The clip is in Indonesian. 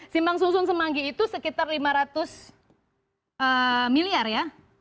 simpang susun semanggi itu sekitar lima ratus miliar ya